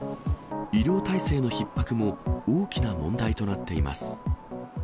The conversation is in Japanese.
医療体制のひっ迫も大きな問題となっています。